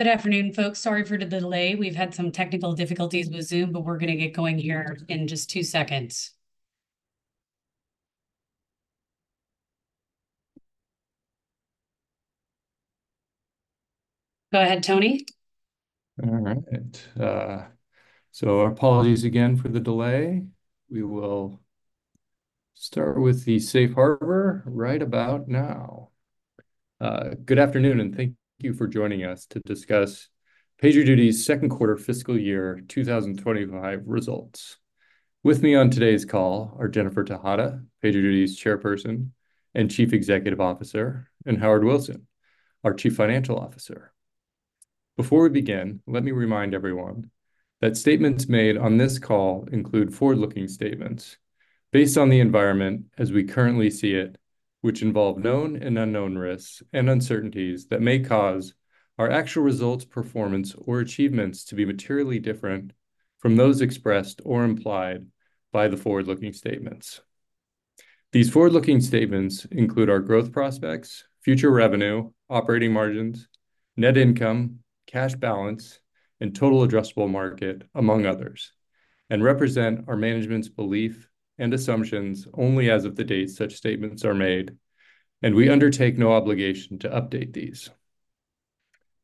Good afternoon, folks. Sorry for the delay. We've had some technical difficulties with Zoom, but we're gonna get going here in just two seconds. Go ahead, Tony. All right, so our apologies again for the delay. We will start with the safe harbor right about now. Good afternoon, and thank you for joining us to discuss PagerDuty's second quarter FY 2025 results. With me on today's call are Jennifer Tejada, PagerDuty's Chairperson and Chief Executive Officer, and Howard Wilson, our Chief Financial Officer. Before we begin, let me remind everyone that statements made on this call include forward-looking statements based on the environment as we currently see it, which involve known and unknown risks and uncertainties that may cause our actual results, performance, or achievements to be materially different from those expressed or implied by the forward-looking statements. These forward-looking statements include our growth prospects, future revenue, operating margins, net income, cash balance, and total addressable market, among others, and represent our management's belief and assumptions only as of the date such statements are made, and we undertake no obligation to update these.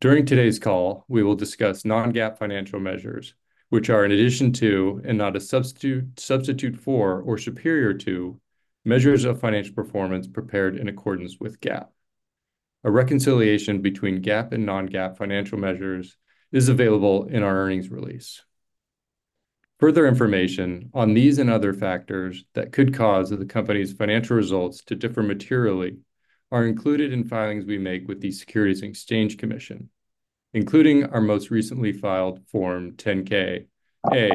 During today's call, we will discuss non-GAAP financial measures, which are in addition to and not a substitute for or superior to measures of financial performance prepared in accordance with GAAP. A reconciliation between GAAP and non-GAAP financial measures is available in our earnings release. Further information on these and other factors that could cause the company's financial results to differ materially are included in filings we make with the Securities and Exchange Commission, including our most recently filed Form 10-K/A,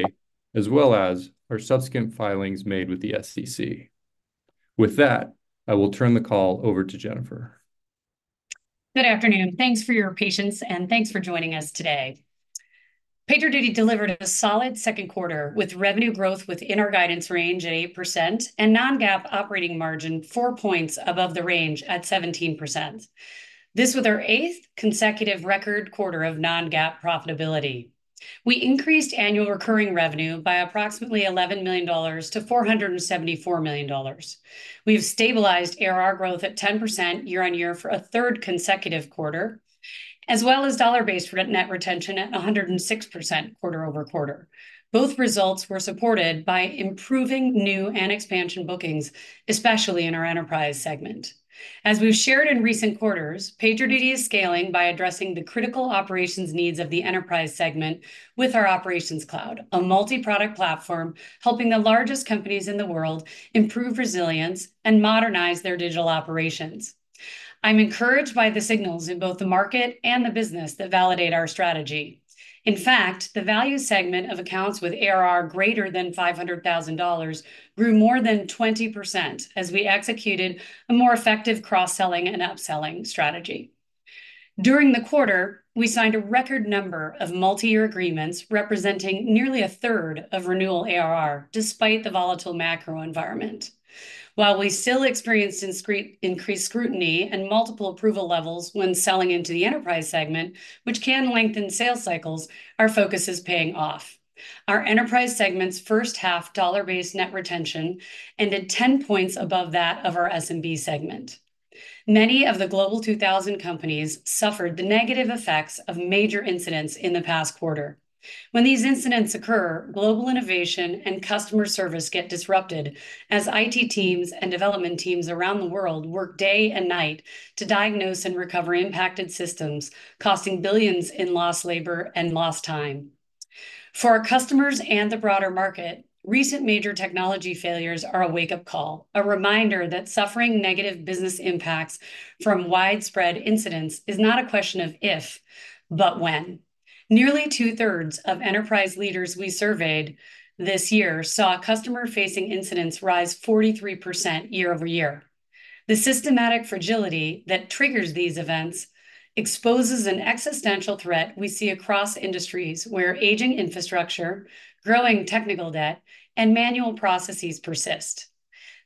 as well as our subsequent filings made with the SEC. With that, I will turn the call over to Jennifer. Good afternoon. Thanks for your patience, and thanks for joining us today. PagerDuty delivered a solid second quarter, with revenue growth within our guidance range at 8% and non-GAAP operating margin four points above the range at 17%. This was our 8th consecutive record quarter of non-GAAP profitability. We increased annual recurring revenue by approximately $11 million to $474 million. We've stabilized ARR growth at 10% year on year for a third consecutive quarter, as well as dollar-based net retention at 106% quarter over quarter. Both results were supported by improving new and expansion bookings, especially in our enterprise segment. As we've shared in recent quarters, PagerDuty is scaling by addressing the critical operations needs of the enterprise segment with our Operations Cloud, a multi-product platform helping the largest companies in the world improve resilience and modernize their digital operations. I'm encouraged by the signals in both the market and the business that validate our strategy. In fact, the value segment of accounts with ARR greater than $500,000 grew more than 20% as we executed a more effective cross-selling and upselling strategy. During the quarter, we signed a record number of multi-year agreements, representing nearly a third of renewal ARR, despite the volatile macro environment. While we still experienced increased scrutiny and multiple approval levels when selling into the enterprise segment, which can lengthen sales cycles, our focus is paying off. Our enterprise segment's H1 dollar-based net retention ended 10 points above that of our SMB segment. Many of the Global 2000 companies suffered the negative effects of major incidents in the past quarter. When these incidents occur, global innovation and customer service get disrupted as IT teams and development teams around the world work day and night to diagnose and recover impacted systems, costing billions in lost labor and lost time. For our customers and the broader market, recent major technology failures are a wake-up call, a reminder that suffering negative business impacts from widespread incidents is not a question of if, but when. Nearly 2/3 of enterprise leaders we surveyed this year saw customer-facing incidents rise 43% year-overYyear. The systematic fragility that triggers these events exposes an existential threat we see across industries where aging infrastructure, growing technical debt, and manual processes persist.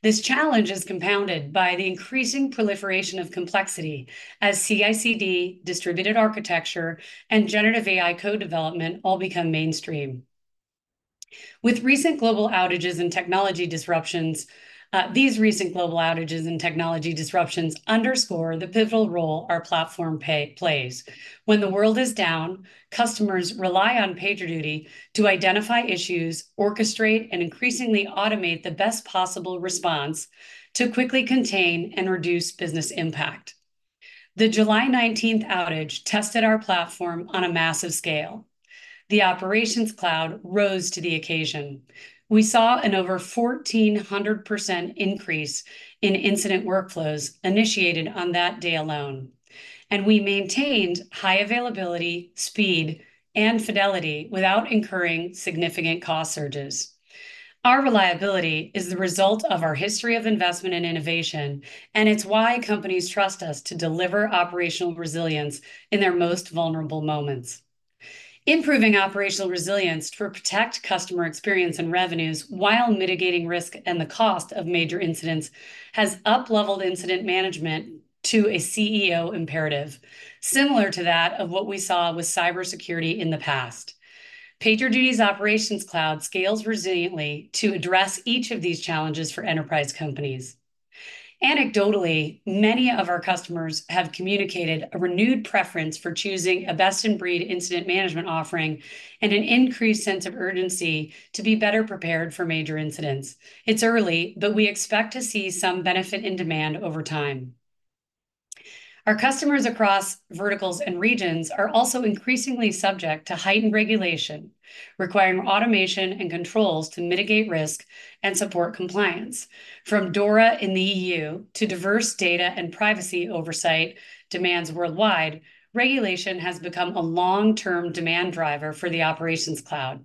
This challenge is compounded by the increasing proliferation of complexity as CI/CD, distributed architecture, and generative AI code development all become mainstream. With recent global outages and technology disruptions, these recent global outages and technology disruptions underscore the pivotal role our platform plays. When the world is down, customers rely on PagerDuty to identify issues, orchestrate, and increasingly automate the best possible response to quickly contain and reduce business impact. The 19 July outage tested our platform on a massive scale. The operations cloud rose to the occasion. We saw an over 1,400% increase in incident workflows initiated on that day alone, and we maintained high availability, speed, and fidelity without incurring significant cost surges. Our reliability is the result of our history of investment and innovation, and it's why companies trust us to deliver operational resilience in their most vulnerable moments. Improving operational resilience to protect customer experience and revenues while mitigating risk and the cost of major incidents has upleveled incident management to a CEO imperative, similar to that of what we saw with cybersecurity in the past. PagerDuty's Operations Cloud scales resiliently to address each of these challenges for enterprise companies. Anecdotally, many of our customers have communicated a renewed preference for choosing a best-in-breed incident management offering and an increased sense of urgency to be better prepared for major incidents. It's early, but we expect to see some benefit in demand over time. Our customers across verticals and regions are also increasingly subject to heightened regulation, requiring automation and controls to mitigate risk and support compliance. From DORA in the EU to diverse data and privacy oversight demands worldwide, regulation has become a long-term demand driver for the Operations Cloud.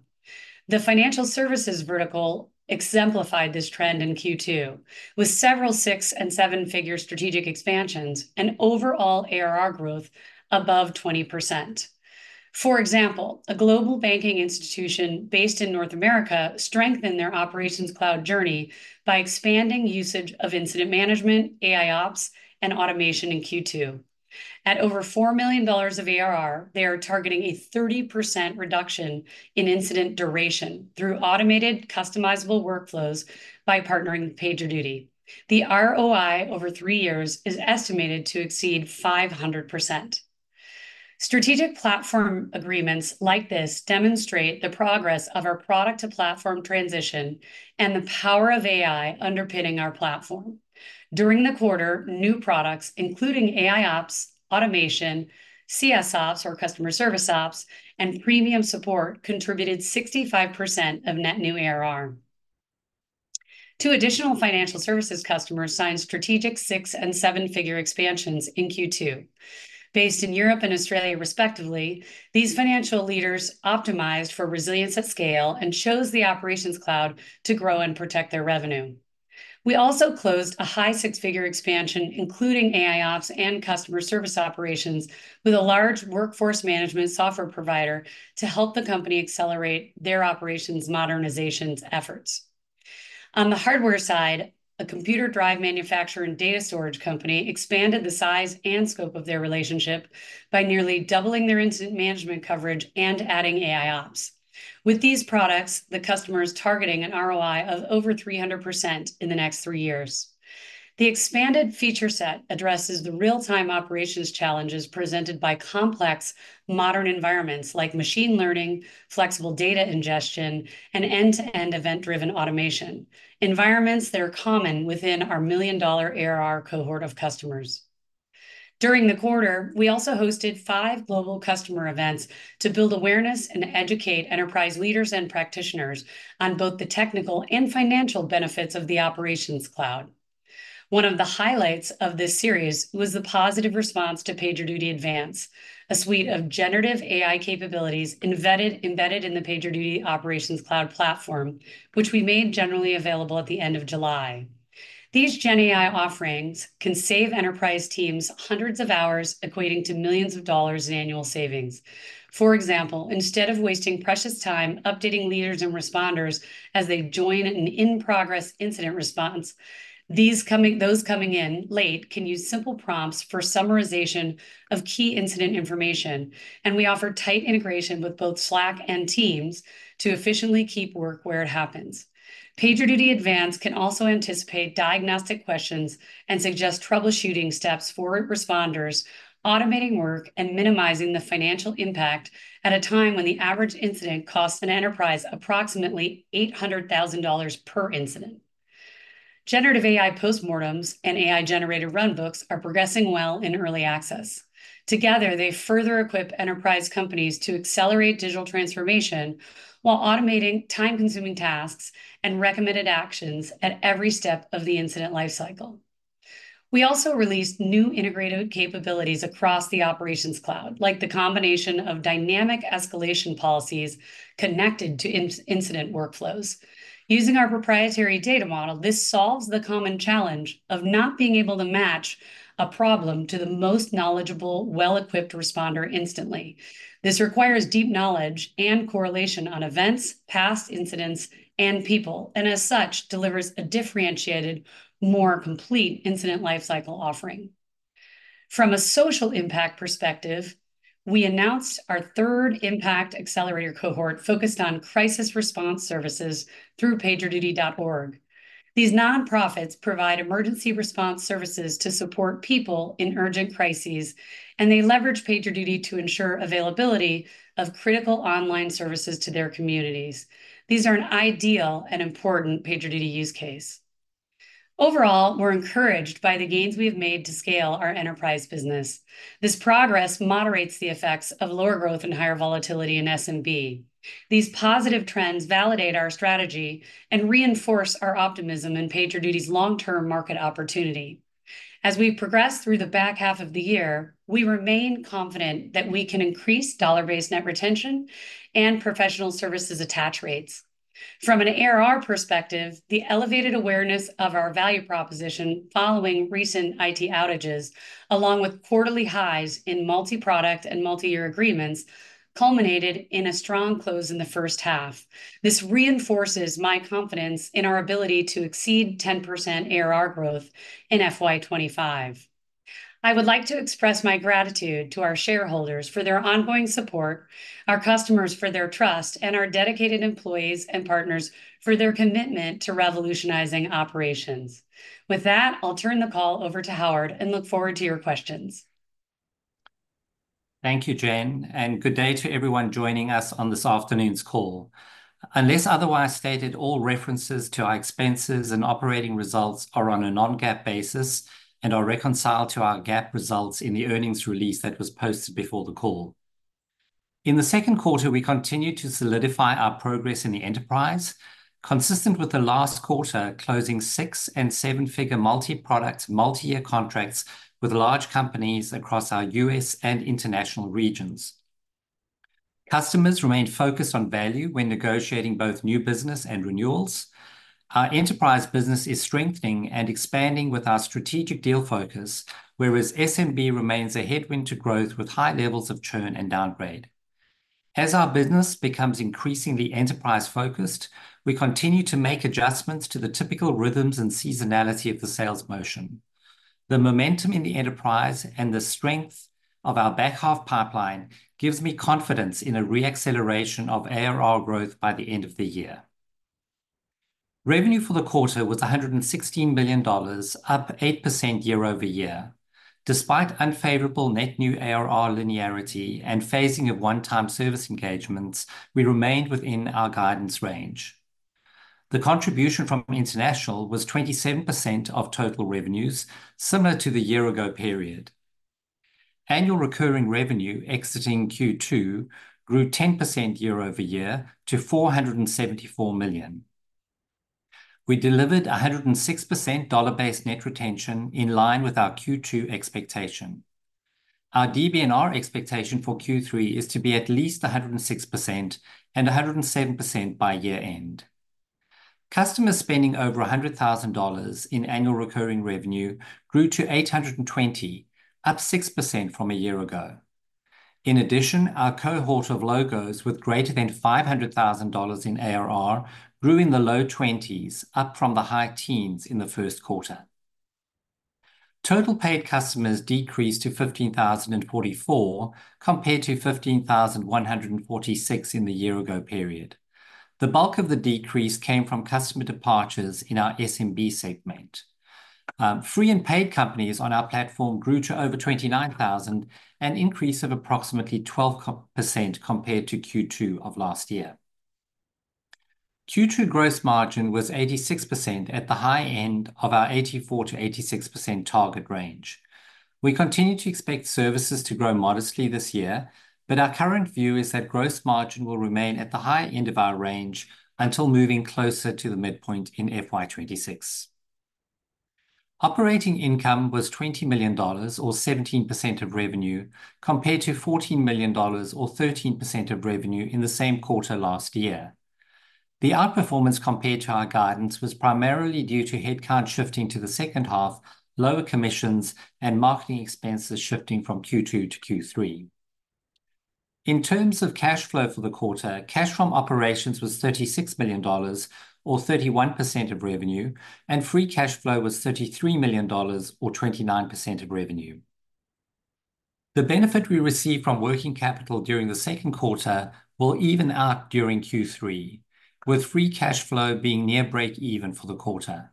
The financial services vertical exemplified this trend in Q2, with several 6 and 7-figure strategic expansions and overall ARR growth above 20%. For example, a global banking institution based in North America strengthened their Operations Cloud journey by expanding usage of incident management, AIOps, and automation in Q2. At over $4 million of ARR, they are targeting a 30% reduction in incident duration through automated customizable workflows by partnering with PagerDuty. The ROI over three years is estimated to exceed 500%. Strategic platform agreements like this demonstrate the progress of our product-to-platform transition and the power of AI underpinning our platform. During the quarter, new products, including AIOps, automation, CS Ops, or Customer Service Ops, and premium support, contributed 65% of net new ARR. Two additional financial services customers signed strategic 6 and 7-figure expansions in Q2. Based in Europe and Australia, respectively, these financial leaders optimized for resilience at scale and chose the Operations Cloud to grow and protect their revenue. We also closed a high 6-figure expansion, including AIOps and Customer Service Operations, with a large workforce management software provider to help the company accelerate their operations modernization efforts. On the hardware side, a computer drive manufacturer and data storage company expanded the size and scope of their relationship by nearly doubling their incident management coverage and adding AIOps. With these products, the customer is targeting an ROI of over 300% in the next three years. The expanded feature set addresses the real-time operations challenges presented by complex modern environments, like machine learning, flexible data ingestion, and end-to-end event-driven automation, environments that are common within our million-dollar ARR cohort of customers. During the quarter, we also hosted five global customer events to build awareness and educate enterprise leaders and practitioners on both the technical and financial benefits of the Operations Cloud. One of the highlights of this series was the positive response to PagerDuty Advance, a suite of generative AI capabilities embedded in the PagerDuty Operations Cloud platform, which we made generally available at the end of July. These GenAI offerings can save enterprise teams hundreds of hours, equating to millions of dollars in annual savings. For example, instead of wasting precious time updating leaders and responders as they join an in-progress incident response, those coming in late can use simple prompts for summarization of key incident information, and we offer tight integration with both Slack and Teams to efficiently keep work where it happens. PagerDuty Advance can also anticipate diagnostic questions and suggest troubleshooting steps for responders, automating work and minimizing the financial impact at a time when the average incident costs an enterprise approximately $800,000 per incident. Generative AI postmortems and AI-generated runbooks are progressing well in early access. Together, they further equip enterprise companies to accelerate digital transformation while automating time-consuming tasks and recommended actions at every step of the incident life cycle. We also released new integrated capabilities across the Operations Cloud, like the combination of dynamic escalation policies connected to incident workflows. Using our proprietary data model, this solves the common challenge of not being able to match a problem to the most knowledgeable, well-equipped responder instantly. This requires deep knowledge and correlation on events, past incidents, and people, and as such, delivers a differentiated, more complete incident lifecycle offering. From a social impact perspective, we announced our third Impact Accelerator cohort focused on crisis response services through PagerDuty.org. These nonprofits provide emergency response services to support people in urgent crises, and they leverage PagerDuty to ensure availability of critical online services to their communities. These are an ideal and important PagerDuty use case. Overall, we're encouraged by the gains we've made to scale our enterprise business. This progress moderates the effects of lower growth and higher volatility in SMB. These positive trends validate our strategy and reinforce our optimism in PagerDuty's long-term market opportunity. As we progress through the back half of the year, we remain confident that we can increase dollar-based net retention and professional services attach rates. From an ARR perspective, the elevated awareness of our value proposition following recent IT outages, along with quarterly highs in multi-product and multi-year agreements, culminated in a strong close in the H1. This reinforces my confidence in our ability to exceed 10% ARR growth in FY 2025. I would like to express my gratitude to our shareholders for their ongoing support, our customers for their trust, and our dedicated employees and partners for their commitment to revolutionizing operations. With that, I'll turn the call over to Howard and look forward to your questions. Thank you, Jen, and good day to everyone joining us on this afternoon's call. Unless otherwise stated, all references to our expenses and operating results are on a non-GAAP basis and are reconciled to our GAAP results in the earnings release that was posted before the call. In the second quarter, we continued to solidify our progress in the enterprise, consistent with the last quarter, closing 6 and 7-figure multi-product, multi-year contracts with large companies across our U.S. and international regions. Customers remained focused on value when negotiating both new business and renewals. Our enterprise business is strengthening and expanding with our strategic deal focus, whereas SMB remains a headwind to growth with high levels of churn and downgrade. As our business becomes increasingly enterprise-focused, we continue to make adjustments to the typical rhythms and seasonality of the sales motion. The momentum in the enterprise and the strength of our back half pipeline gives me confidence in a re-acceleration of ARR growth by the end of the year. Revenue for the quarter was $116 million, up 8% year over year. Despite unfavorable net new ARR linearity and phasing of one-time service engagements, we remained within our guidance range. The contribution from international was 27% of total revenues, similar to the year ago period. Annual recurring revenue exiting Q2 grew 10% year-over-year to 474 million. We delivered 106% dollar-based net retention, in line with our Q2 expectation. Our DBNR expectation for Q3 is to be at least 106% and 107% by year end. Customers spending over $100,000 in annual recurring revenue grew to 820, up 6% from a year ago. In addition, our cohort of logos with greater than $500,000 in ARR grew in the low twenties, up from the high teens in the Q1. Total paid customers decreased to 15,004, compared to 15,146 in the year ago period. The bulk of the decrease came from customer departures in our SMB segment. Free and paid companies on our platform grew to over 29,000, an increase of approximately 12% compared to Q2 of last year. Q2 gross margin was 86% at the high end of our 84%-86% target range. We continue to expect services to grow modestly this year, but our current view is that gross margin will remain at the high end of our range until moving closer to the midpoint in FY 2026. Operating income was $20 million, or 17% of revenue, compared to $14 million, or 13% of revenue, in the same quarter last year. The outperformance compared to our guidance was primarily due to headcount shifting to the H2, lower commissions, and marketing expenses shifting from Q2 to Q3. In terms of cash flow for the quarter, cash from operations was $36 million, or 31% of revenue, and free cash flow was $33 million, or 29% of revenue. The benefit we received from working capital during the second quarter will even out during Q3, with free cash flow being near breakeven for the quarter.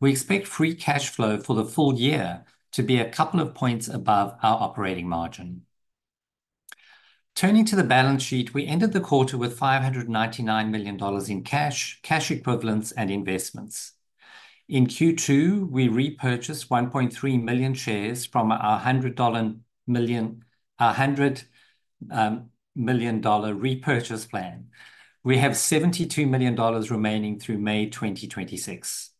We expect free cash flow for the full year to be a couple of points above our operating margin. Turning to the balance sheet, we ended the quarter with $599 million in cash, cash equivalents, and investments. In Q2, we repurchased 1.3 million shares from our $100 million repurchase plan. We have $72 million remaining through May 2026.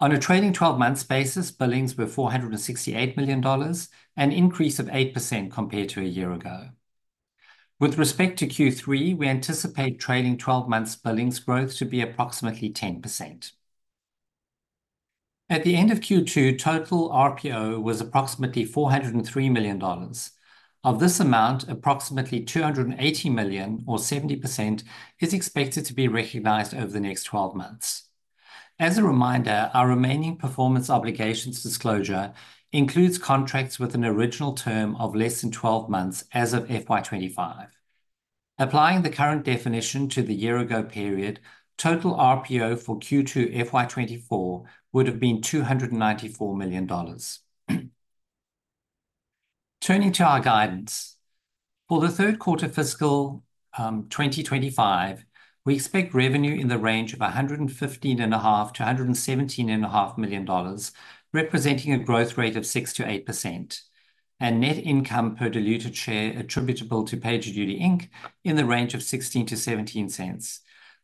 On a trailing twelve months basis, billings were $468 million, an increase of 8% compared to a year ago. With respect to Q3, we anticipate trailing 12 months billings growth to be approximately 10%. At the end of Q2, total RPO was approximately $403 million. Of this amount, approximately $280 million, or 70%, is expected to be recognized over the next 12 months. As a reminder, our remaining performance obligations disclosure includes contracts with an original term of less than 12 months as of FY 2025. Applying the current definition to the year ago period, total RPO for Q2 FY 2024 would have been $294 million. Turning to our guidance. For the Q3 fiscal 2025, we expect revenue in the range of $115.5-$117.5 million, representing a growth rate of 6%-8%, and net income per diluted share attributable to PagerDuty Inc. in the range of $0.16-$0.17.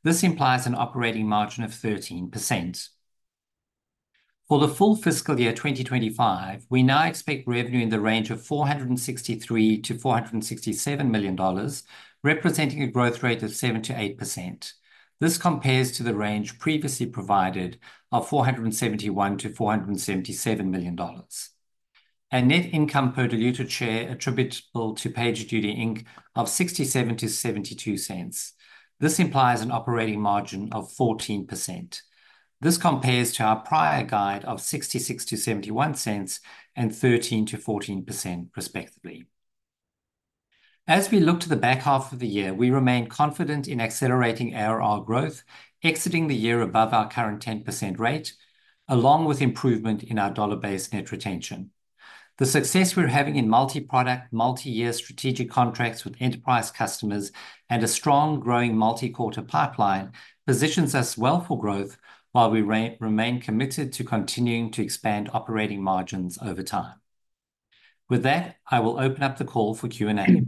This implies an operating margin of 13%. For the full fiscal year 2025, we now expect revenue in the range of $463-$467 million, representing a growth rate of 7%-8%. This compares to the range previously provided of $471-$477 million. Net income per diluted share attributable to PagerDuty, Inc. of $0.67-$0.72. This implies an operating margin of 14%. This compares to our prior guide of $0.66-$0.71, and 13%-14%, respectively. As we look to the back half of the year, we remain confident in accelerating ARR growth, exiting the year above our current 10% rate, along with improvement in our dollar-based net retention. The success we're having in multi-product, multi-year strategic contracts with enterprise customers, and a strong, growing multi-quarter pipeline, positions us well for growth, while we remain committed to continuing to expand operating margins over time. With that, I will open up the call for Q&A.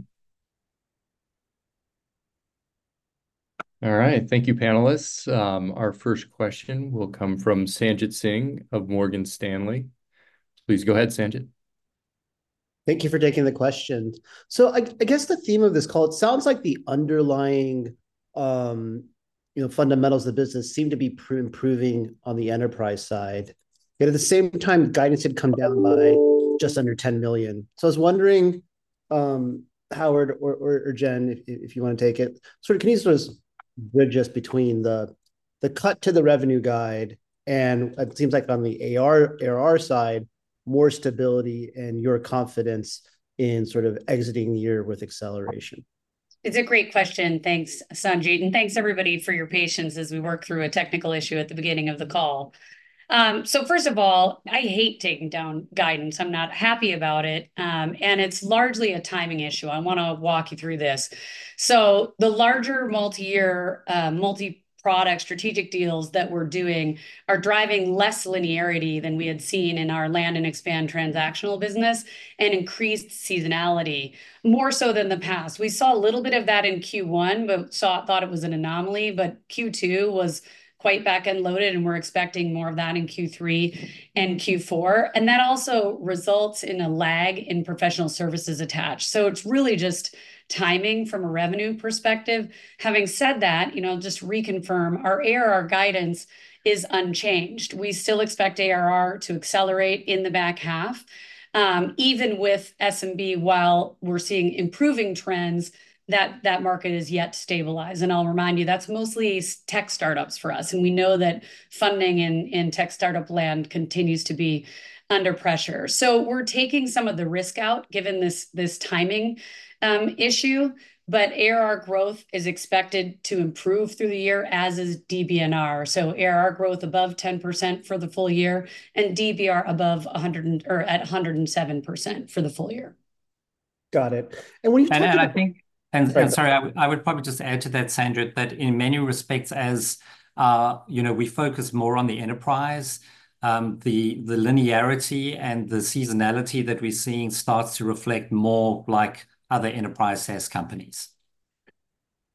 All right, thank you, panelists. Our first question will come from Sanjit Singh of Morgan Stanley. Please go ahead, Sanjit. Thank you for taking the question. So I guess the theme of this call, it sounds like the underlying, you know, fundamentals of the business seem to be improving on the enterprise side, yet at the same time, guidance had come down by just under $10 million. So I was wondering, Howard, or Jen, if you want to take it, sort of can you sort of bridge us between the cut to the revenue guide, and it seems like on the ARR side, more stability and your confidence in sort of exiting the year with acceleration? It's a great question. Thanks, Sanjit, and thanks everybody for your patience as we work through a technical issue at the beginning of the call. So first of all, I hate taking down guidance. I'm not happy about it, and it's largely a timing issue. I want to walk you through this. So the larger multi-year, multi-product strategic deals that we're doing are driving less linearity than we had seen in our land and expand transactional business, and increased seasonality, more so than the past. We saw a little bit of that in Q1, but thought it was an anomaly, but Q2 was quite back-end loaded, and we're expecting more of that in Q3 and Q4, and that also results in a lag in professional services attached. So it's really just timing from a revenue perspective. Having said that, you know, I'll just reconfirm, our ARR guidance is unchanged. We still expect ARR to accelerate in the back half. Even with SMB, while we're seeing improving trends, that market is yet to stabilize. And I'll remind you, that's mostly tech startups for us, and we know that funding in tech startup land continues to be under pressure. So we're taking some of the risk out, given this timing issue. But ARR growth is expected to improve through the year, as is DBNR. So ARR growth above 10% for the full year, and DBNR above 100% or at 107% for the full year. Got it and when you talk about- I think- Sorry. Sorry, I would probably just add to that, Sanjit, that in many respects, as you know, we focus more on the enterprise, the linearity and the seasonality that we're seeing starts to reflect more like other enterprise sales companies.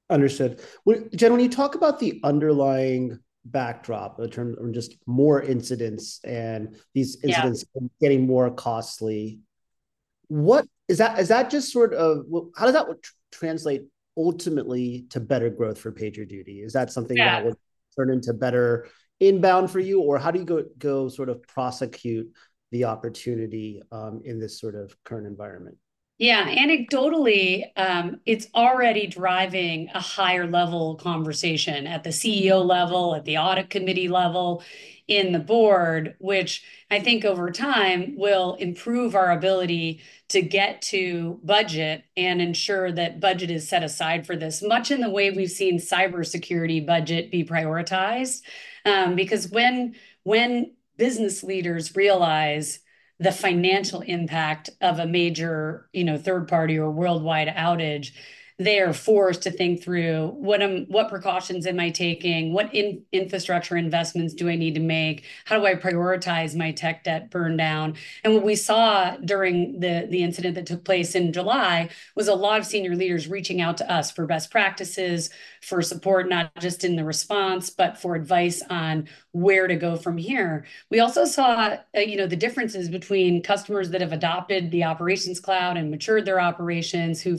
Understood. Well, Jen, when you talk about the underlying backdrop in terms of just more incidents, and these- Yeah ...incidents getting more costly? What is that? Is that just sort of, well, how does that translate ultimately to better growth for PagerDuty? Yeah. Is that something that would turn into better inbound for you, or how do you go sort of prosecute the opportunity in this sort of current environment? Yeah. Anecdotally, it's already driving a higher level conversation at the CEO level, at the audit committee level, in the board, which I think over time will improve our ability to get to budget and ensure that budget is set aside for this, much in the way we've seen cybersecurity budget be prioritized. Because when business leaders realize the financial impact of a major, you know, third party or worldwide outage, they are forced to think through: "What precautions am I taking? What infrastructure investments do I need to make? How do I prioritize my tech debt burn down?" And what we saw during the incident that took place in July was a lot of senior leaders reaching out to us for best practices, for support, not just in the response, but for advice on where to go from here. We also saw, you know, the differences between customers that have adopted the Operations Cloud and matured their operations, who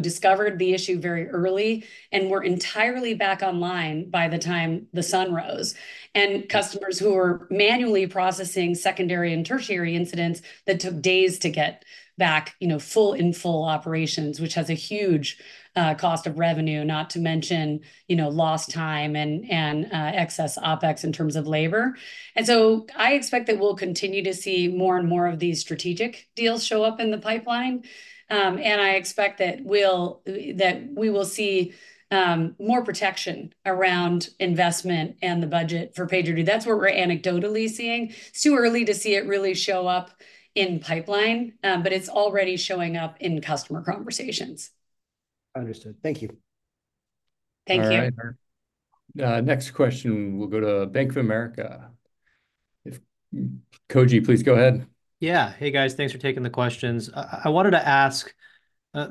discovered the issue very early and were entirely back online by the time the sun rose, and customers who were manually processing secondary and tertiary incidents that took days to get back to full operations, which has a huge cost of revenue, not to mention, you know, lost time and excess OpEx in terms of labor. I expect that we'll continue to see more and more of these strategic deals show up in the pipeline, and I expect that we will see more protection around investment and the budget for PagerDuty. That's what we're anecdotally seeing. It's too early to see it really show up in pipeline, but it's already showing up in customer conversations. Understood. Thank you. Thank you. All right. Next question will go to Bank of America. Koji, please go ahead. Yeah. Hey, guys. Thanks for taking the questions. I wanted to ask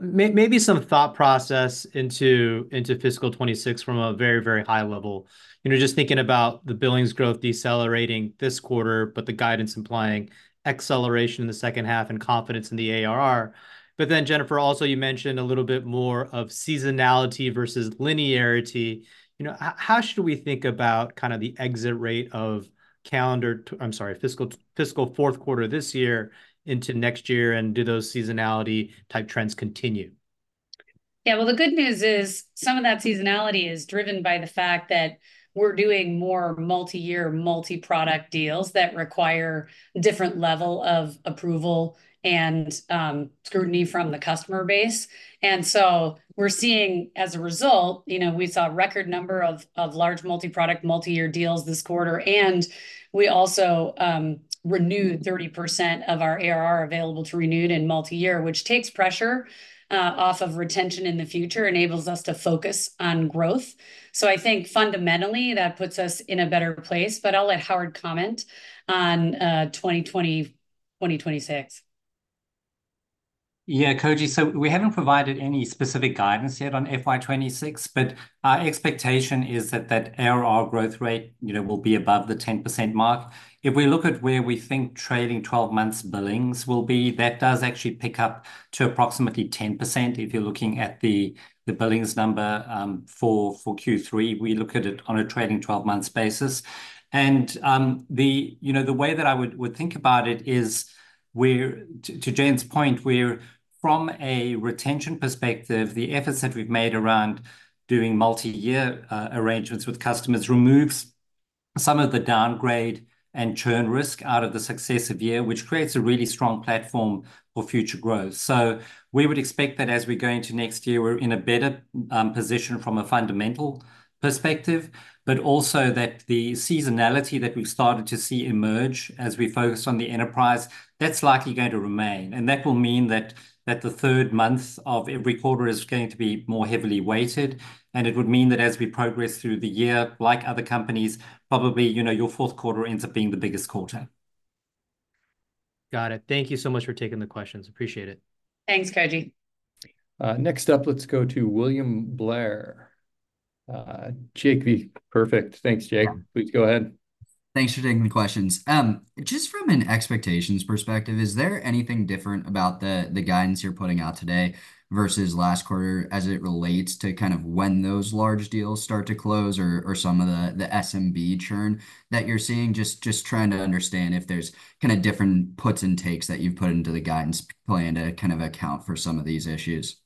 maybe some thought process into fiscal 2026 from a very, very high level. You know, just thinking about the billings growth decelerating this quarter, but the guidance implying acceleration in the second half and confidence in the ARR. But then, Jennifer, also you mentioned a little bit more of seasonality versus linearity. You know, how should we think about kinda the exit rate of calendar t- I'm sorry, fiscal Q4 this year into next year, and do those seasonality-type trends continue? Yeah, well, the good news is some of that seasonality is driven by the fact that we're doing more multi-year, multi-product deals that require a different level of approval and scrutiny from the customer base. And so we're seeing, as a result, you know, we saw a record number of large multi-product, multi-year deals this quarter, and we also renewed 30% of our ARR available to renew in multi-year, which takes pressure off of retention in the future, enables us to focus on growth. So I think fundamentally, that puts us in a better place, but I'll let Howard comment on 2026. Yeah, Koji, so we haven't provided any specific guidance yet on FY26, but our expectation is that that ARR growth rate, you know, will be above the 10% mark. If we look at where we think trailing 12 months' billings will be, that does actually pick up to approximately 10%, if you're looking at the billings number for Q3. We look at it on a trailing 12 months basis. And the, you know, the way that I would think about it is we're to Jen's point, we're from a retention perspective, the efforts that we've made around doing multi-year arrangements with customers removes some of the downgrade and churn risk out of the successive year, which creates a really strong platform for future growth. So we would expect that as we go into next year, we're in a better position from a fundamental perspective, but also that the seasonality that we've started to see emerge as we focus on the enterprise, that's likely going to remain, and that will mean that the third month of every quarter is going to be more heavily weighted. And it would mean that as we progress through the year, like other companies, probably, you know, your Q4 ends up being the biggest quarter. Got it. Thank you so much for taking the questions. Appreciate it. Thanks, Koji. Next up, let's go to William Blair. Jake Roberge. Perfect. Thanks, Jake. Yeah. Please go ahead. Thanks for taking the questions. Just from an expectations perspective, is there anything different about the guidance you're putting out today versus last quarter as it relates to kind of when those large deals start to close or some of the SMB churn that you're seeing? Just trying to understand if there's kinda different puts and takes that you've put into the guidance plan to kind of account for some of these issues.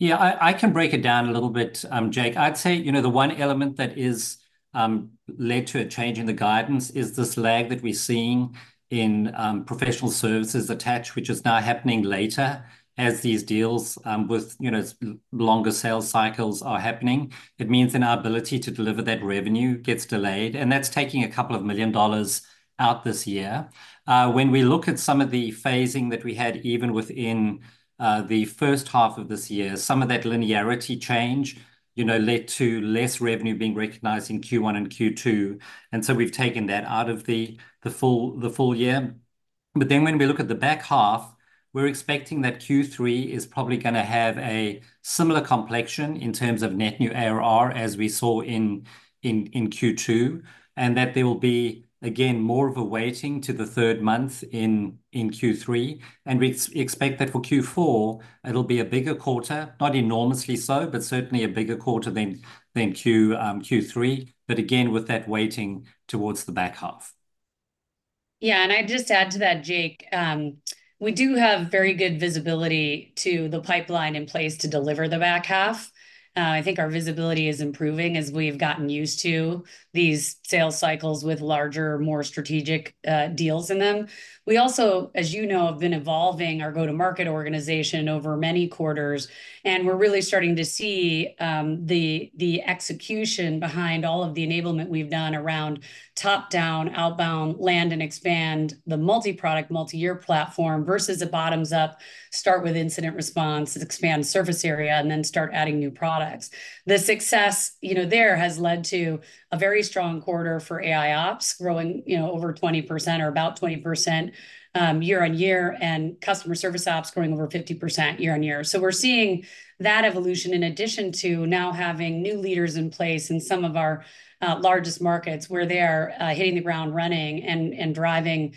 Yeah, I can break it down a little bit, Jake. I'd say, you know, the one element that is led to a change in the guidance is this lag that we're seeing in professional services attached, which is now happening later as these deals with, you know, longer sales cycles are happening. It means then our ability to deliver that revenue gets delayed, and that's taking $2 million out this year. When we look at some of the phasing that we had, even within the first half of this year, some of that linearity change, you know, led to less revenue being recognized in Q1 and Q2, and so we've taken that out of the full year. But then when we look at the back half, we're expecting that Q3 is probably gonna have a similar complexion in terms of net new ARR as we saw in Q2, and that there will be, again, more of a weighting to the third month in Q3. And we expect that for Q4, it'll be a bigger quarter, not enormously so, but certainly a bigger quarter than Q3, but again, with that weighting towards the back half. Yeah, and I'd just add to that, Jake, we do have very good visibility to the pipeline in place to deliver the back half. I think our visibility is improving as we've gotten used to these sales cycles with larger, more strategic deals in them. We also, as you know, have been evolving our go-to-market organization over many quarters, and we're really starting to see the execution behind all of the enablement we've done around top-down, outbound, land and expand, the multi-product, multi-year platform, versus a bottoms-up, start with incident response, expand surface area, and then start adding new products. The success, you know, there has led to a very strong quarter for AIOps, growing, you know, over 20% or about 20%, year on year, and Customer Service Ops growing over 50% year on year. So we're seeing that evolution, in addition to now having new leaders in place in some of our largest markets, where they are hitting the ground running and driving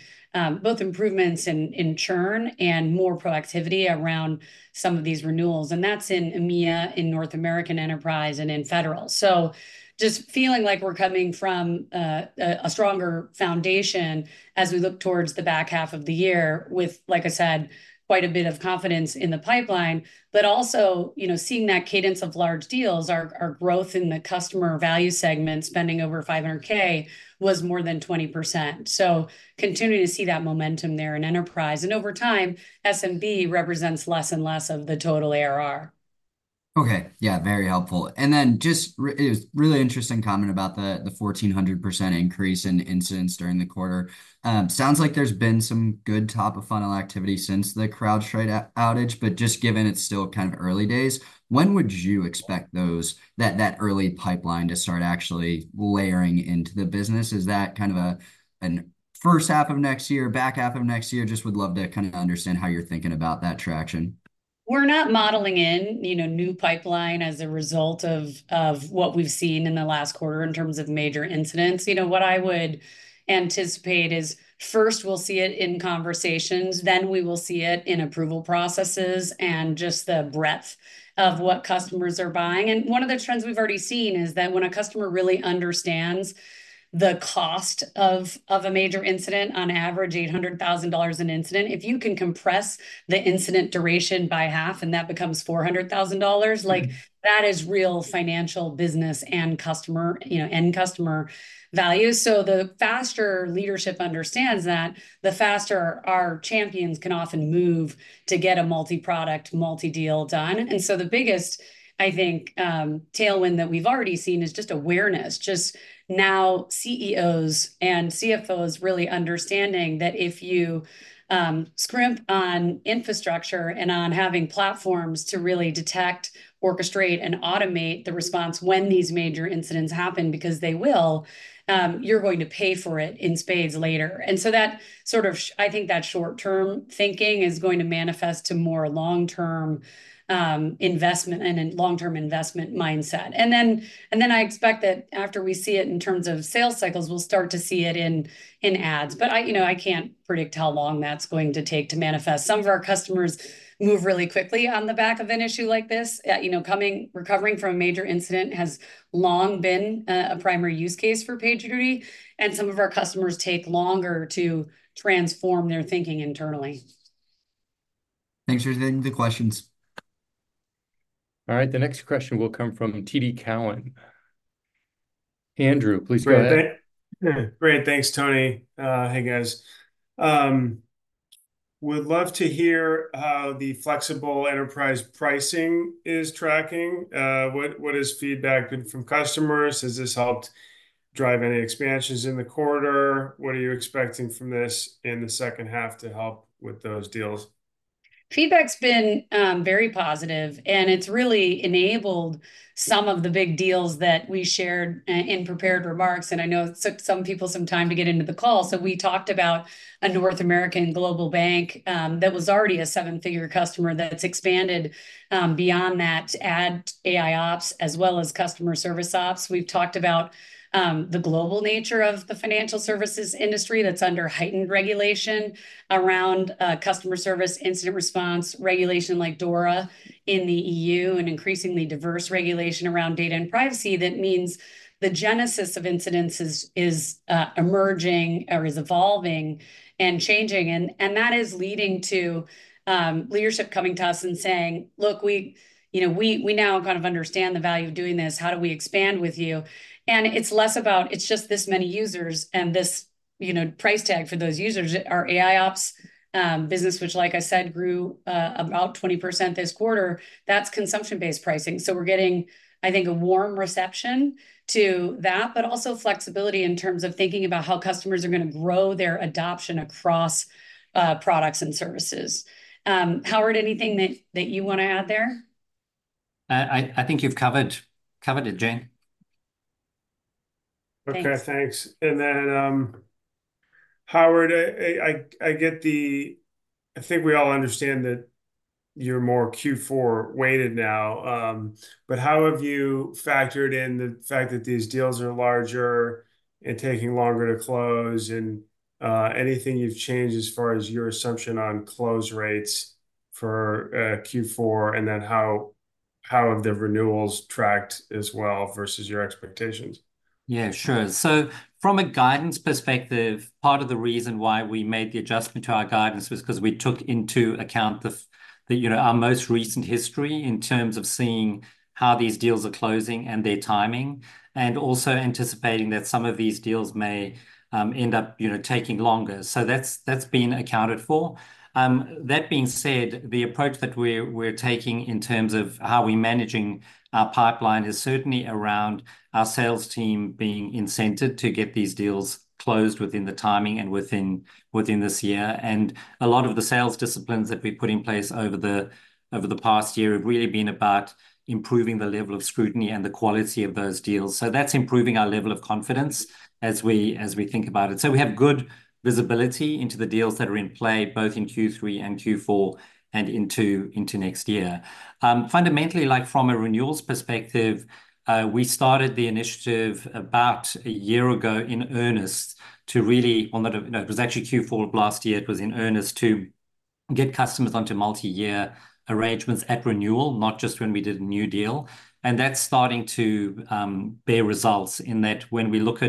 both improvements in churn and more proactivity around some of these renewals, and that's in EMEA, in North American enterprise, and in federal. So just feeling like we're coming from a stronger foundation as we look towards the back half of the year with, like I said, quite a bit of confidence in the pipeline, but also, you know, seeing that cadence of large deals. Our growth in the customer value segment spending over $500K was more than 20%, so continuing to see that momentum there in enterprise. And over time, SMB represents less and less of the total ARR. Okay. Yeah, very helpful. And then just it was really interesting comment about the 1400% increase in incidents during the quarter. Sounds like there's been some good top-of-funnel activity since the CrowdStrike outage, but just given it's still kind of early days, when would you expect that early pipeline to start actually layering into the business? Is that kind of a first half of next year, back half of next year? Just would love to kind of understand how you're thinking about that traction. We're not modeling in, you know, new pipeline as a result of what we've seen in the last quarter in terms of major incidents. You know, what I would anticipate is first we'll see it in conversations, then we will see it in approval processes and just the breadth of what customers are buying. And one of the trends we've already seen is that when a customer really understands the cost of a major incident, on average $800,000 an incident, if you can compress the incident duration by half, and that becomes $400,000- Mm... like, that is real financial business and customer, you know, end customer value. So the faster leadership understands that, the faster our champions can often move to get a multi-product, multi-deal done. And so the biggest, I think, tailwind that we've already seen is just awareness, just now CEOs and CFOs really understanding that if you scrimp on infrastructure and on having platforms to really detect, orchestrate, and automate the response when these major incidents happen, because they will, you're going to pay for it in spades later. And so that sort of, I think, short-term thinking is going to manifest to more long-term investment and long-term investment mindset. And then I expect that after we see it in terms of sales cycles, we'll start to see it in ads. But I, you know, I can't predict how long that's going to take to manifest. Some of our customers move really quickly on the back of an issue like this. You know, recovering from a major incident has long been a primary use case for PagerDuty, and some of our customers take longer to transform their thinking internally. Thanks for taking the questions. All right, the next question will come from TD Cowen. Andrew, please go ahead. Great. Thanks, Tony. Hey, guys. Would love to hear how the flexible enterprise pricing is tracking. What has feedback been from customers? Has this helped drive any expansions in the quarter? What are you expecting from this in the second half to help with those deals? Feedback's been very positive, and it's really enabled some of the big deals that we shared in prepared remarks, and I know it took some people some time to get into the call. So we talked about a North American global bank that was already a seven-figure customer that's expanded beyond that to add AIOps, as well as customer service ops. We've talked about the global nature of the financial services industry that's under heightened regulation around customer service incident response, regulation like DORA in the EU, and increasingly diverse regulation around data and privacy. That means the genesis of incidents is emerging or is evolving and changing, and that is leading to leadership coming to us and saying, "Look, we, you know, we, we now kind of understand the value of doing this. How do we expand with you?" And it's less about, it's just this many users and this, you know, price tag for those users. Our AIOps business, which, like I said, grew about 20% this quarter, that's consumption-based pricing. So we're getting, I think, a warm reception to that, but also flexibility in terms of thinking about how customers are gonna grow their adoption across products and services. Howard, anything that you want to add there? I think you've covered it, Jen. Thanks. Okay, thanks. And then, Howard, I get the... I think we all understand that you're more Q4-weighted now, but how have you factored in the fact that these deals are larger and taking longer to close? And, anything you've changed as far as your assumption on close rates for Q4, and then how have the renewals tracked as well versus your expectations? Yeah, sure. So from a guidance perspective, part of the reason why we made the adjustment to our guidance was because we took into account the, you know, our most recent history in terms of seeing how these deals are closing and their timing, and also anticipating that some of these deals may end up, you know, taking longer. So that's, that's been accounted for. That being said, the approach that we're taking in terms of how we're managing our pipeline is certainly around our sales team being incented to get these deals closed within the timing and within this year. And a lot of the sales disciplines that we've put in place over the past year have really been about improving the level of scrutiny and the quality of those deals. So that's improving our level of confidence as we think about it. So we have good visibility into the deals that are in play, both in Q3 and Q4, and into next year. Fundamentally, like from a renewals perspective, we started the initiative about a year ago in earnest, you know, it was actually Q4 of last year, it was in earnest to get customers onto multi-year arrangements at renewal, not just when we did a new deal, and that's starting to bear results in that when we look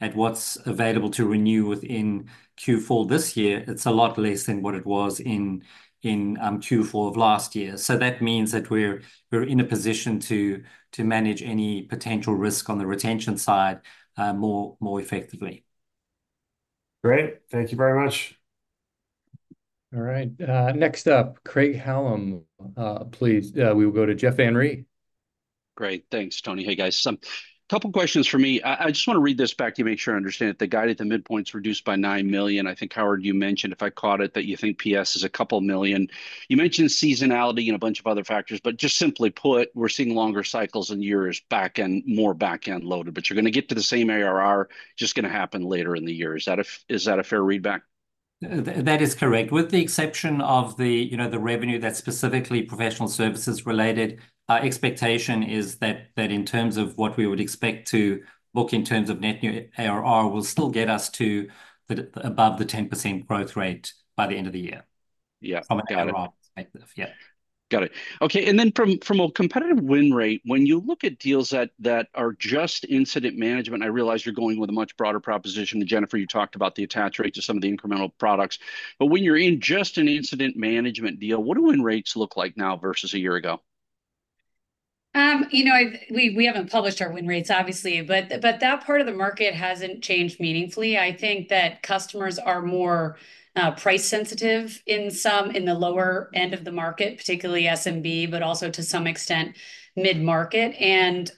at what's available to renew within Q4 this year, it's a lot less than what it was in Q4 of last year. So that means that we're in a position to manage any potential risk on the retention side more effectively. Great. Thank you very much. All right, next up, Craig-Hallum. Please, we will go to Jeff Van Rhee. Great. Thanks, Tony. Hey, guys. A couple questions for me. I just want to read this back to you, make sure I understand it. The guide at the midpoint's reduced by $9 million. I think, Howard, you mentioned, if I caught it, that you think PS is $2 million. You mentioned seasonality and a bunch of other factors, but just simply put, we're seeing longer cycles and year's back end, more back-end loaded, but you're gonna get to the same ARR, just gonna happen later in the year. Is that a fair read back? That is correct, with the exception of the, you know, the revenue that's specifically professional services related. Our expectation is that in terms of what we would expect to book in terms of net new ARR will still get us to above the 10% growth rate by the end of the year. Yeah, got it. From a ARR perspective. Yeah. Got it. Okay, and then from a competitive win rate, when you look at deals that are just incident management, I realize you're going with a much broader proposition. And Jennifer, you talked about the attach rate to some of the incremental products. But when you're in just an incident management deal, what do win rates look like now versus a year ago? You know, we haven't published our win rates, obviously, but that part of the market hasn't changed meaningfully. I think that customers are more price sensitive in the lower end of the market, particularly SMB, but also to some extent mid-market. And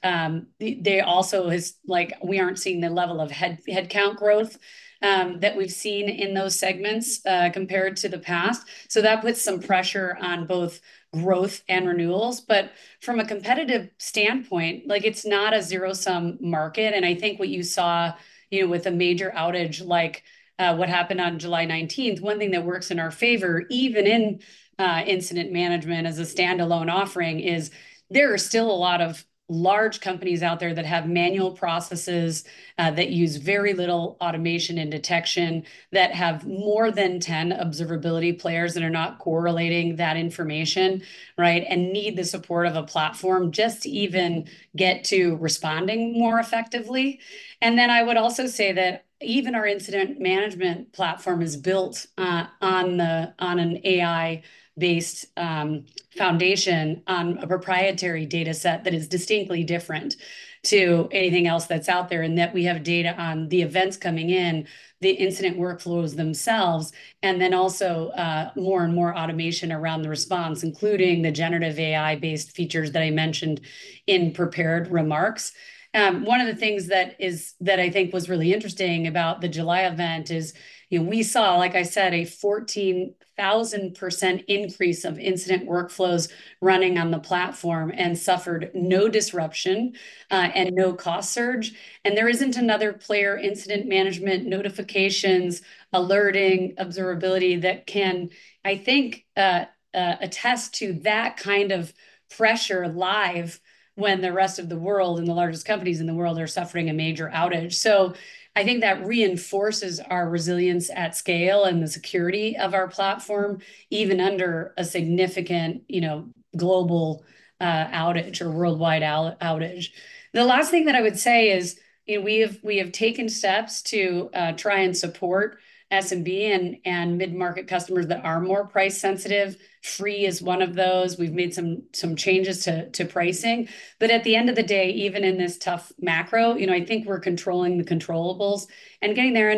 they also have, like, we aren't seeing the level of headcount growth that we've seen in those segments compared to the past. So that puts some pressure on both growth and renewals. But from a competitive standpoint, like, it's not a zero-sum market. And I think what you saw, you know, with a major outage, like, what happened on July 19th, one thing that works in our favor, even in, incident management as a standalone offering, is there are still a lot of large companies out there that have manual processes, that use very little automation and detection, that have more than 10 observability players that are not correlating that information, right? And need the support of a platform just to even get to responding more effectively. And then I would also say that even our incident management platform is built on an AI-based foundation on a proprietary data set that is distinctly different to anything else that's out there, in that we have data on the events coming in, the incident workflows themselves, and then also more and more automation around the response, including the generative AI-based features that I mentioned in prepared remarks. One of the things that I think was really interesting about the July event is, you know, we saw, like I said, a 14,000% increase of incident workflows running on the platform, and suffered no disruption and no cost surge. And there isn't another player, incident management, notifications, alerting, observability, that can, I think, attest to that kind of pressure live when the rest of the world and the largest companies in the world are suffering a major outage. So I think that reinforces our resilience at scale and the security of our platform, even under a significant, you know, global outage or worldwide outage. The last thing that I would say is, you know, we have taken steps to try and support SMB and mid-market customers that are more price sensitive. Free is one of those. We've made some changes to pricing. But at the end of the day, even in this tough macro, you know, I think we're controlling the controllables and getting there.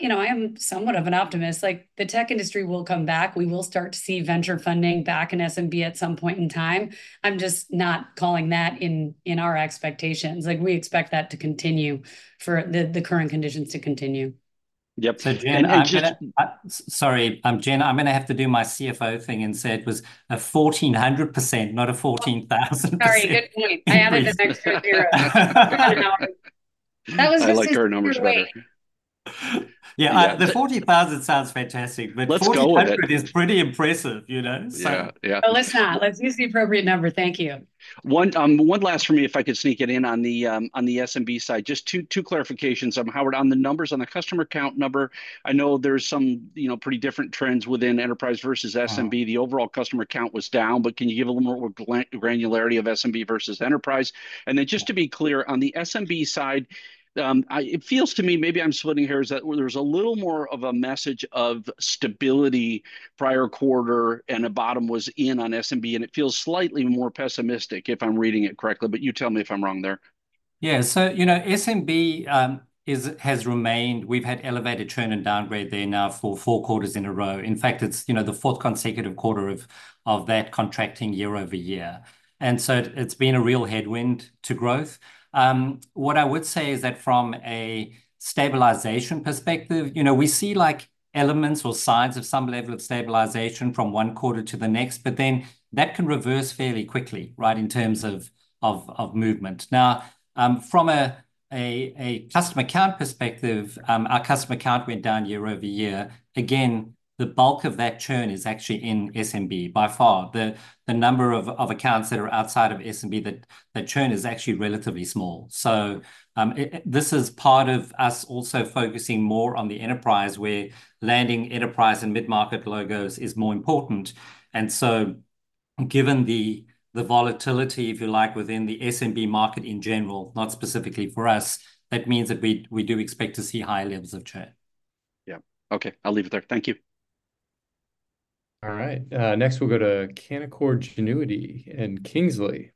You know, I am somewhat of an optimist, like, the tech industry will come back. We will start to see venture funding back in SMB at some point in time. I'm just not calling that in our expectations. Like, we expect that to continue, for the current conditions to continue. Yep, and just- So Jen, I'm gonna have to do my CFO thing and say it was a 1,400%, not a 14,000%. Sorry, good point. Increase. I added an extra zero to that number. That was just- I like our numbers better. Purely- Yeah, the 40,000 sounds fantastic, but- Let's go with it.... 1,400 is pretty impressive, you know? So- Yeah, yeah. Let's not. Let's use the appropriate number. Thank you. One, one last for me, if I could sneak it in on the, on the SMB side. Just two clarifications. Howard, on the numbers, on the customer count number, I know there's some, you know, pretty different trends within enterprise versus SMB. Uh-huh. The overall customer count was down, but can you give a little more granularity of SMB versus enterprise? And then just to be clear, on the SMB side, it feels to me, maybe I'm splitting hairs, that there's a little more of a message of stability prior quarter, and the bottom was in on SMB, and it feels slightly more pessimistic, if I'm reading it correctly, but you tell me if I'm wrong there. Yeah, so you know, SMB has remained. We've had elevated churn and downgrade there now for four quarters in a row. In fact, it's, you know, the fourth consecutive quarter of that contracting year-over-year, and so it, it's been a real headwind to growth. What I would say is that from a stabilization perspective, you know, we see like elements or signs of some level of stabilization from one quarter to the next, but then that can reverse fairly quickly, right, in terms of movement. Now, from a customer count perspective, our customer count went down year-over-year. Again, the bulk of that churn is actually in SMB. By far, the number of accounts that are outside of SMB, the churn is actually relatively small. So, this is part of us also focusing more on the enterprise, where landing enterprise and mid-market logos is more important, and so given the volatility, if you like, within the SMB market in general, not specifically for us, that means that we do expect to see high levels of churn. Yeah. Okay, I'll leave it there. Thank you. All right. Next we'll go to Canaccord Genuity and Kingsley.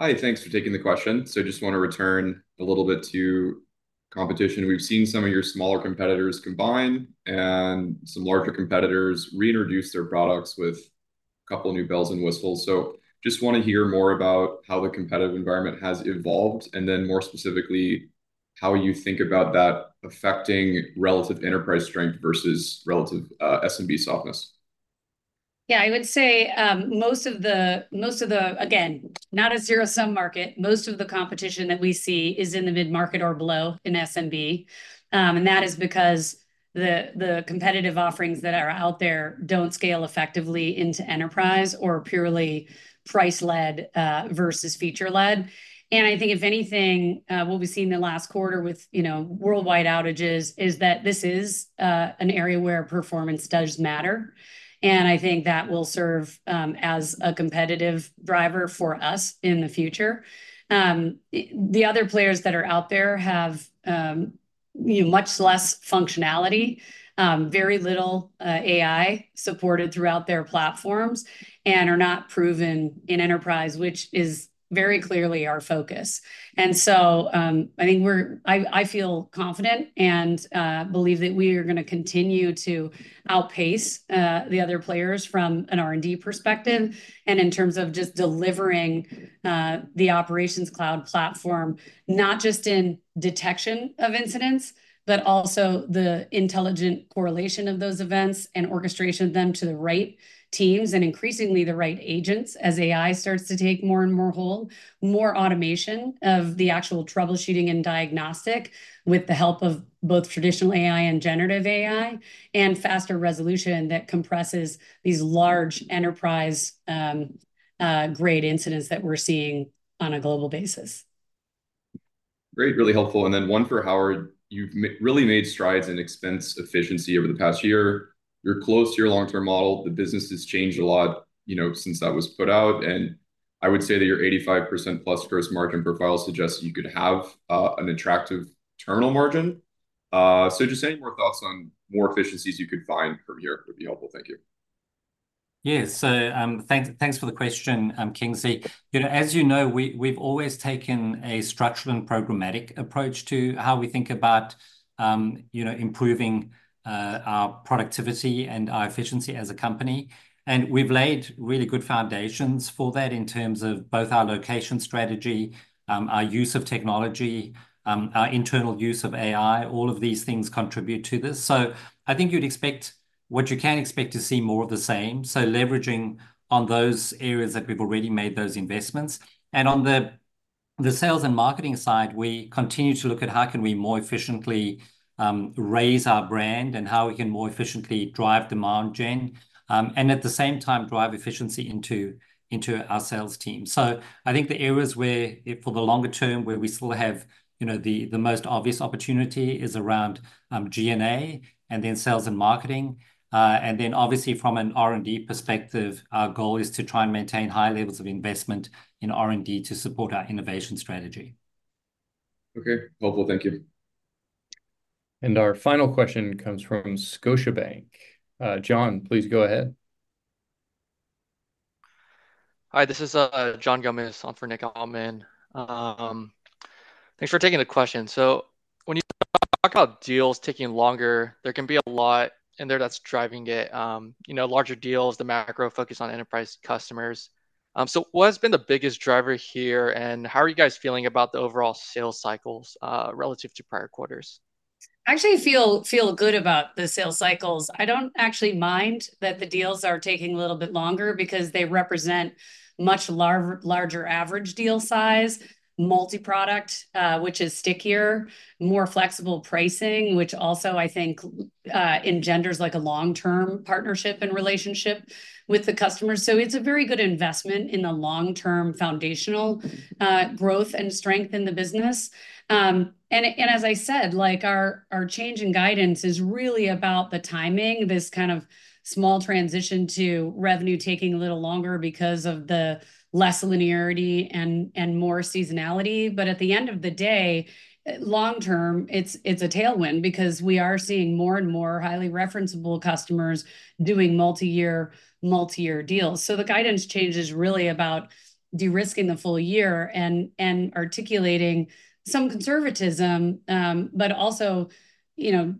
Hi, thanks for taking the question. So just wanna return a little bit to competition. We've seen some of your smaller competitors combine, and some larger competitors reintroduce their products with a couple new bells and whistles. So just wanna hear more about how the competitive environment has evolved, and then more specifically, how you think about that affecting relative enterprise strength versus relative, SMB softness? Yeah, I would say, again, not a zero-sum market, most of the competition that we see is in the mid-market or below in SMB. And that is because the competitive offerings that are out there don't scale effectively into enterprise or are purely price-led versus feature-led. And I think if anything, what we've seen in the last quarter with, you know, worldwide outages, is that this is an area where performance does matter, and I think that will serve as a competitive driver for us in the future. The other players that are out there have, you know, much less functionality, very little AI supported throughout their platforms, and are not proven in enterprise, which is very clearly our focus. And so, I think we're... I feel confident and believe that we are gonna continue to outpace the other players from an R&D perspective, and in terms of just delivering the operations cloud platform, not just in detection of incidents, but also the intelligent correlation of those events and orchestration of them to the right teams, and increasingly the right agents, as AI starts to take more and more hold. More automation of the actual troubleshooting and diagnostic, with the help of both traditional AI and generative AI, and faster resolution that compresses these large enterprise-grade incidents that we're seeing on a global basis. Great, really helpful. And then one for Howard: You've really made strides in expense efficiency over the past year. You're close to your long-term model. The business has changed a lot, you know, since that was put out, and I would say that your 85% plus gross margin profile suggests you could have an attractive terminal margin. So just any more thoughts on more efficiencies you could find from here would be helpful. Thank you. Yes, so, thanks for the question, Kingsley. You know, as you know, we've always taken a structural and programmatic approach to how we think about, you know, improving our productivity and our efficiency as a company. And we've laid really good foundations for that in terms of both our location strategy, our use of technology, our internal use of AI. All of these things contribute to this. So I think you'd expect... What you can expect to see more of the same, so leveraging on those areas that we've already made those investments. And on the sales and marketing side, we continue to look at how can we more efficiently raise our brand, and how we can more efficiently drive demand gen, and at the same time drive efficiency into our sales team. So I think the areas where, for the longer term, where we still have, you know, the most obvious opportunity is around G&A, and then sales and marketing. And then obviously from an R&D perspective, our goal is to try and maintain high levels of investment in R&D to support our innovation strategy. Okay, helpful. Thank you. And our final question comes from Scotiabank. John, please go ahead. Hi, this is John Gomez on for Nick Altmann. Thanks for taking the question. So when you talk about deals taking longer, there can be a lot in there that's driving it, you know, larger deals, the macro focus on enterprise customers. So what has been the biggest driver here, and how are you guys feeling about the overall sales cycles relative to prior quarters? I actually feel good about the sales cycles. I don't actually mind that the deals are taking a little bit longer because they represent much larger average deal size, multi-product, which is stickier, more flexible pricing, which also, I think, engenders like a long-term partnership and relationship with the customer. So it's a very good investment in the long-term foundational growth and strength in the business, and as I said, like our change in guidance is really about the timing, this kind of small transition to revenue taking a little longer because of the less linearity and more seasonality, but at the end of the day, long term, it's a tailwind because we are seeing more and more highly referenceable customers doing multi-year deals. So the guidance change is really about de-risking the full year and articulating some conservatism, but also, you know,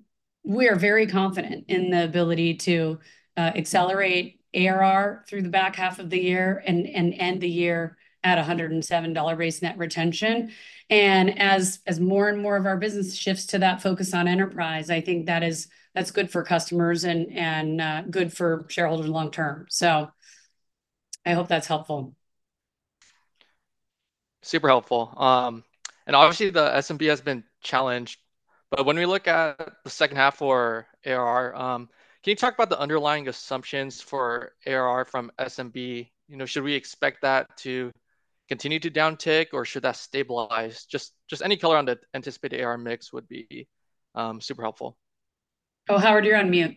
we are very confident in the ability to accelerate ARR through the back half of the year and end the year at 107 dollar-based net retention. And as more and more of our business shifts to that focus on enterprise, I think that's good for customers and good for shareholders long term. So I hope that's helpful. Super helpful. And obviously, the SMB has been challenged, but when we look at the second half for ARR, can you talk about the underlying assumptions for ARR from SMB? You know, should we expect that to continue to downtick, or should that stabilize? Just any color on the anticipated ARR mix would be super helpful. Oh, Howard, you're on mute.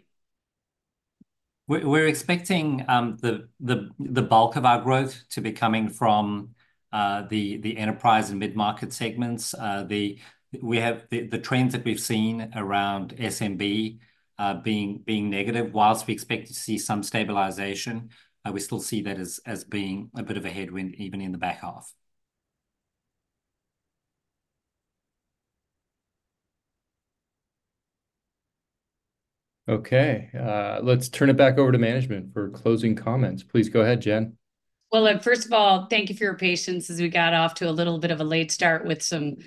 We're expecting the bulk of our growth to be coming from the enterprise and mid-market segments. We have the trends that we've seen around SMB being negative. While we expect to see some stabilization, we still see that as being a bit of a headwind, even in the back half. Okay, let's turn it back over to management for closing comments. Please go ahead, Jen. First of all, thank you for your patience as we got off to a little bit of a late start with some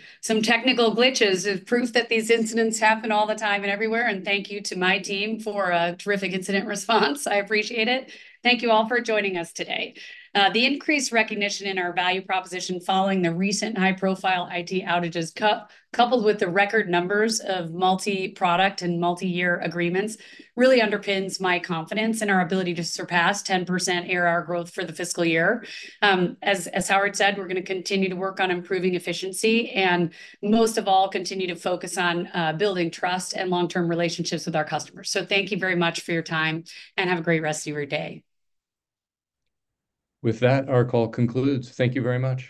technical glitches. It's proof that these incidents happen all the time and everywhere, and thank you to my team for a terrific incident response. I appreciate it. Thank you all for joining us today. The increased recognition in our value proposition following the recent high-profile IT outages coupled with the record numbers of multi-product and multi-year agreements really underpins my confidence and our ability to surpass 10% ARR growth for the fiscal year. As Howard said, we're going to continue to work on improving efficiency, and most of all, continue to focus on building trust and long-term relationships with our customers. Thank you very much for your time, and have a great rest of your day. With that, our call concludes. Thank you very much.